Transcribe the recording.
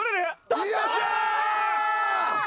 よっしゃ！